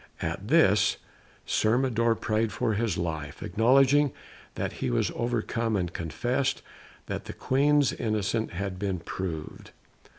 At this Sir Mador prayed for his life, acknowledging that he was overcome, and confessed that the Queen's innocence had been proved.